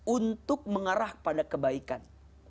untuk mengarah pada kebaikan